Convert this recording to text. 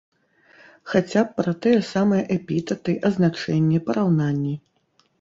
Хаця б пра тыя самыя эпітэты, азначэнні, параўнанні.